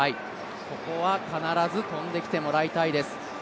ここは必ず跳んできてもらいたいです。